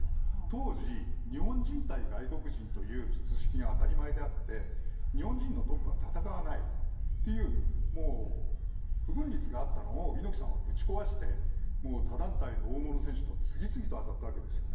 当時、日本人対外国人という図式が当たり前であって日本人のトップは戦わないという不文律があったのを猪木さんはぶち壊して他団体の大物選手と次々と当たったわけです。